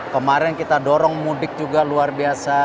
kemarin kita dorong mudik juga luar biasa